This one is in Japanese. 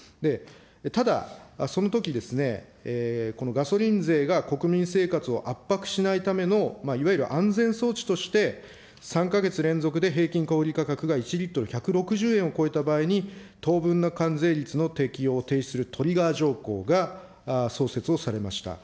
ただ、そのときですね、ガソリン税が国民生活を圧迫しないためのいわゆる安全装置として、３か月連続で平均小売価格が１リットル１６０円を超えた場合に、場合に、当分の間税率の適用をするトリガー条項が創設をされました。